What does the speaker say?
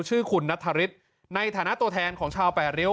ชื่อคุณนัทธริสในฐานะตัวแทนของชาวแปดริ้ว